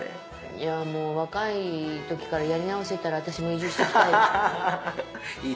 いやもう若い時からやり直せたら私も移住してきたい。